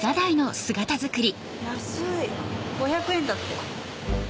安い５００円だって。